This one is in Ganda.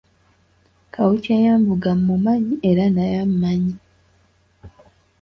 Kawuki eyanvuga mmumanyi era naye ammanyi.